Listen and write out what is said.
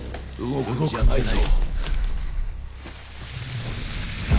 動くんじゃないぞ。